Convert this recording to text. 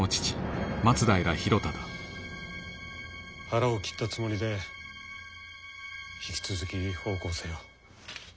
腹を切ったつもりで引き続き奉公せよ。